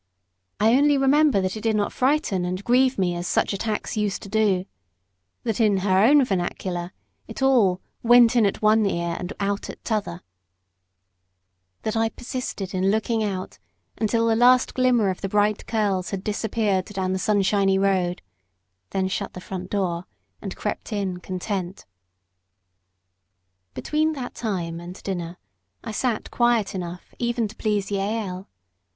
I only remember that it did not frighten and grieve me as such attacks used to do; that, in her own vernacular, it all "went in at one ear, and out at t'other;" that I persisted in looking out until the last glimmer of the bright curls had disappeared down the sunshiny road then shut the front door, and crept in, content. Between that time and dinner I sat quiet enough even to please Jael.